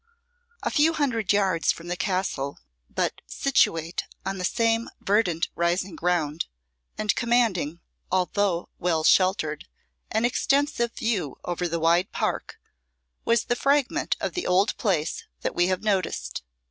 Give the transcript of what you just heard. A few hundred yards from the castle, but situate on the same verdant rising ground, and commanding, although well sheltered, an extensive view over the wide park, was the fragment of the old Place that we have noticed.